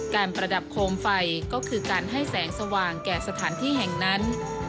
ประดับโคมไฟก็คือการให้แสงสว่างแก่สถานที่แห่งนั้น